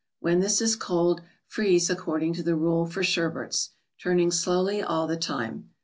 When this is cold, freeze according to the rule for sherbets, turning slowly all the time.